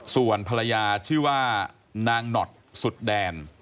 ส่วนภรรยาชื่อว่านางหนอดสุดแดน